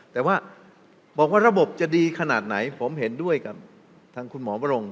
แต่ว่าบอกว่าระบบจะดีขนาดไหนผมเห็นด้วยกับทางคุณหมอบรง